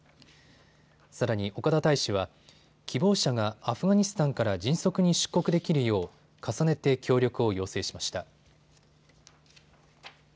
さらに岡田大使は希望者がアフガニスタンから迅速に出国できるよう重ねて協力を要請しました。